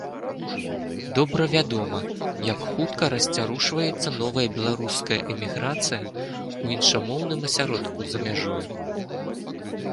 Добра вядома, як хутка расцярушваецца новая беларуская эміграцыя ў іншамоўным асяродку за мяжою.